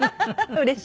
うれしい。